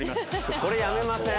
これやめません？